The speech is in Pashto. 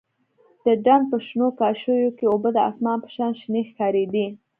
د ډنډ په شنو کاشيو کښې اوبه د اسمان په شان شنې ښکارېدې.